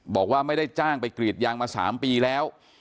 บอกว่าไม่ได้จ้างไปกรีดยางมา๓ปีแล้ว